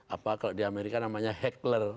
apa kalau di amerika namanya head up